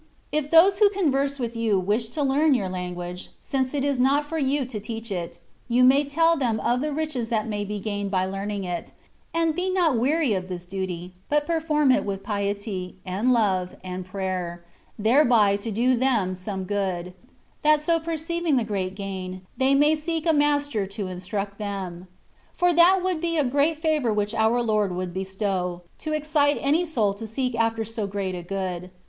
If those who converse with you wish to learn your language (since it is not for you to teach it), you may tell them of the riches that may be gained by learning it ; and be not weary of this duty, but perform it with piety, and love, and prayer, thereby to do them some good, that so perceiving the great gain, they may seek a master to instruct them; for that would be a great favour which our Lord would bestow, to excite any soul to seek after so great a good.